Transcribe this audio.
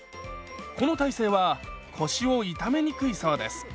この体勢は腰を痛めにくいそうです。